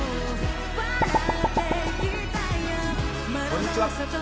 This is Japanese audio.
こんにちは。